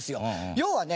要はね